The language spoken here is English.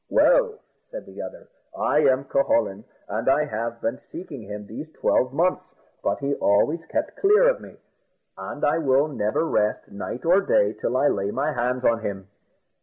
"Well," said the other, "I am Cucullin, and I have been seeking him these twelve months, but he always kept clear of me; and I will never rest night or day till I lay my hands on him."